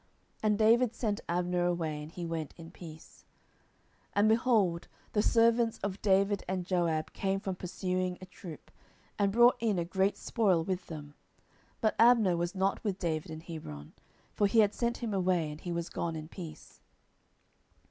And David sent Abner away; and he went in peace. 10:003:022 And, behold, the servants of David and Joab came from pursuing a troop, and brought in a great spoil with them: but Abner was not with David in Hebron; for he had sent him away, and he was gone in peace.